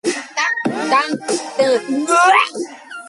He also plays cricket for the Encounter Bay Cricket Club.